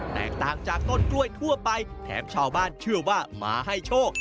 แตกต่างจากต้นกล้วยทั่วไปแถมชาวบ้านเชื่อว่ามาให้โชค